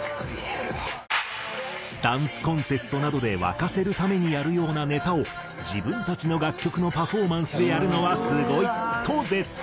「ダンスコンテストなどで沸かせるためにやるようなネタを自分たちの楽曲のパフォーマンスでやるのはすごい！」と絶賛。